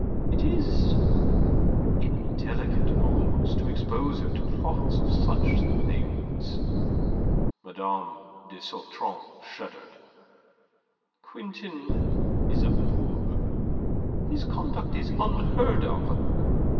It is... indelicate almost to expose her to thoughts of such things." Mme. de Sautron shuddered. "Quintin is a boor. His conduct is unheard of.